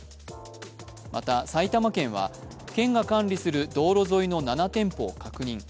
また埼玉県は県が管理する道路沿いの７店舗を確認。